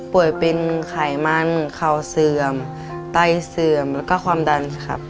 ป่วยเป็นไขมันเข่าเสื่อมไตเสื่อมแล้วก็ความดันครับ